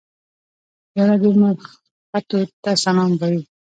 پیاله د لمر ختو ته سلام وايي.